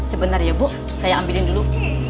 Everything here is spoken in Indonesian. sebentar ya bu saya ambilin dulu